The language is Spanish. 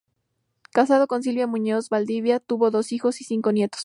Casado con Silvia Muñoz Valdivia, tuvo dos hijos y cinco nietos.